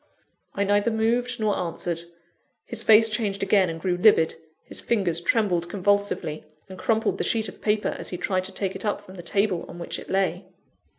I neither moved nor answered. His face changed again, and grew livid; his fingers trembled convulsively, and crumpled the sheet of paper, as he tried to take it up from the table on which it lay.